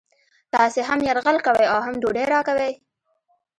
تاسې هم یرغل کوئ او هم ډوډۍ راکوئ